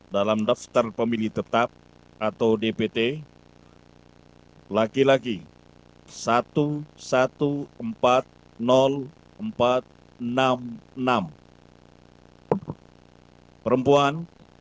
dalam daftar pemilih tetap atau dpt laki laki satu satu empat empat enam enam perempuan satu sembilan enam dua tiga tujuh